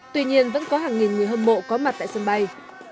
tuy nhiên vẫn có hàng nghìn người hâm mộ có mặt tại sân bay